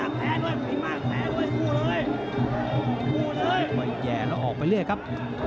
แย่แล้วออกไปเรื่อยครับ